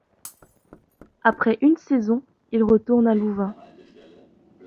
Après une saison, il retourne à Louvain.